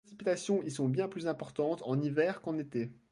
Les précipitations y sont bien plus importantes en hiver qu'en été.